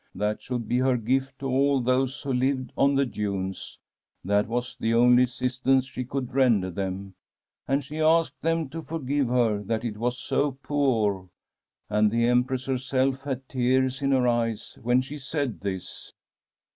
That should be her gift to all those who lived on the dunes. That was the only assistance she could Fr$m a SWEDISH HOMESTEAD render them, and she asked them to lorgivt her that it was so poor; and the Empress herself had tears in her eyes when she said this.